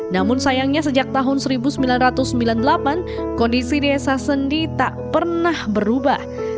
namun sayangnya sejak tahun seribu sembilan ratus sembilan puluh delapan kondisi desa sendi tak pernah berubah